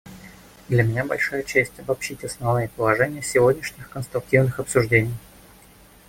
Для меня большая честь обобщить основные положения сегодняшних конструктивных обсуждений.